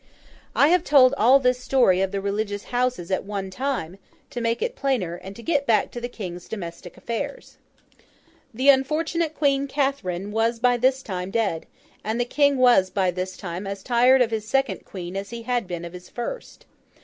I have told all this story of the religious houses at one time, to make it plainer, and to get back to the King's domestic affairs. The unfortunate Queen Catherine was by this time dead; and the King was by this time as tired of his second Queen as he had been of his first.